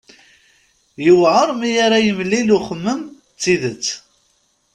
Yuɛer mi ara yemlil uxemmem d tidet.